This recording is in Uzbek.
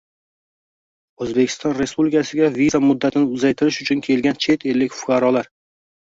O‘zbekiston Respublikasiga viza muddatini uzaytirish uchun kelgan chet ellik fuqarolar